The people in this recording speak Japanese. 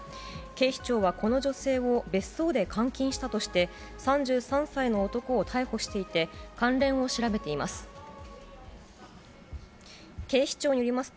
警視庁はこの女性を別荘で監禁したとして、３３歳の男を逮捕していて、関連を調べています。